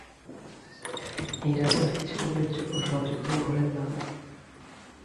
এই রাস্তার কিছু উল্লেখযোগ্য সংযুক্ত মোড়ের নামঃ